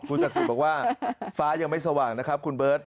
คุณจัดสนบอกว่าฟ้ายังไม่สว่างนะครับคุณเบิร์ต